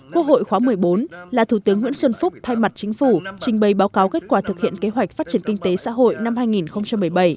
quốc hội khóa một mươi bốn là thủ tướng nguyễn xuân phúc thay mặt chính phủ trình bày báo cáo kết quả thực hiện kế hoạch phát triển kinh tế xã hội năm hai nghìn một mươi bảy